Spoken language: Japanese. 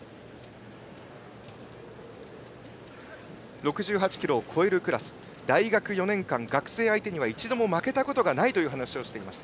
６８ｋｇを超えるクラス大学４年間、学生相手には一度も負けたことがないと話していました。